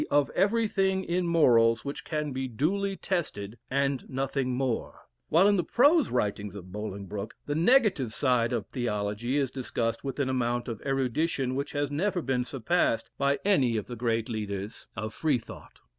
_, of everything in morals which can be duly tested and nothing more: while in the prose writings of Bolingbroke, the negative side of theology is discussed with an amount of erudition which has never been surpassed by any of the great leaders of Freethought.